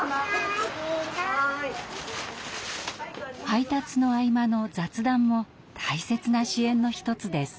配達の合間の雑談も大切な支援の一つです。